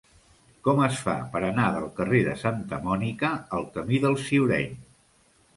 Com es fa per anar del carrer de Santa Mònica al camí del Ciureny?